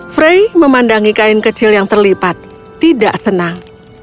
frey memandangi kain kecil yang terlipat tidak senang